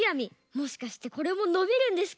もしかしてこれものびるんですか？